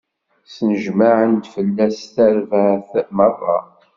Snejmaɛen-d fell-as tarbaɛt meṛṛa.